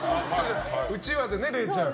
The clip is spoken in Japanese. うちわでれいちゃんが。